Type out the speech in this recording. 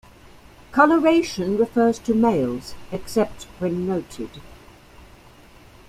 Colouration refers to males except when noted.